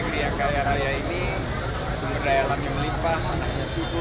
negeri yang kaya raya ini sumber daya lagi melipah menang di suku